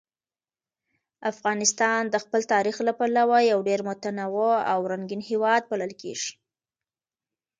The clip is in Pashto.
افغانستان د خپل تاریخ له پلوه یو ډېر متنوع او رنګین هېواد بلل کېږي.